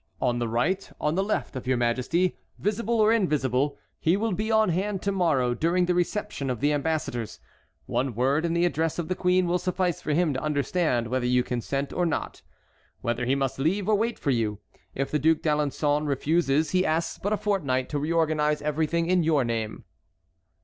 On the right, on the left, of your majesty, visible or invisible, he will be on hand to morrow during the reception of the ambassadors. One word in the address of the queen will suffice for him to understand whether you consent or not, whether he must leave or wait for you. If the Duc d'Alençon refuses, he asks but a fortnight to reorganize everything in your name."